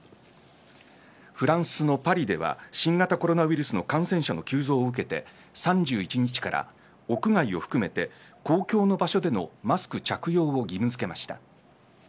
フランスのパリでは新型コロナウイルスの感染者の急増を受けて３１日から屋外を含めて公共の場所でのマスク着用を義務づけました。